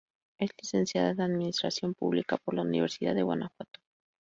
Es licenciada en Administración pública por la Universidad de Guanajuato.